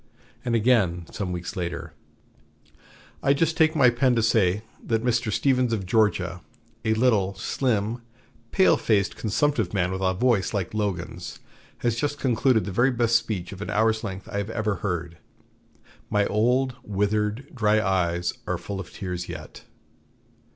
And again, some weeks later: "I just take my pen to say that Mr. Stephens of Georgia, a little, slim, pale faced consumptive man with a voice like Logan's, has just concluded the very best speech of an hour's length I ever heard. My old, withered, dry eyes are full of tears yet."